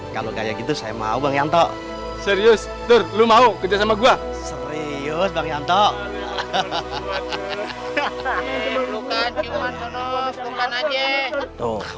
kalau kayak gitu saya mau bang yanto serius terlalu mau kerja sama gua serius bang yanto